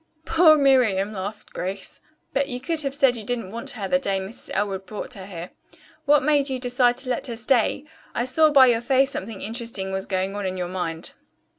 "Poor Miriam," laughed Grace. "But you could have said you didn't want her the day Mrs. Elwood brought her here. What made you decide to let her stay? I saw by your face something interesting was going on in your mind."